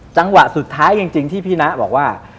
จังหวะสุดท้ายจริงที่พี่นะบอกว่า